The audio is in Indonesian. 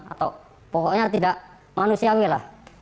atau pokoknya tidak manusiawi lah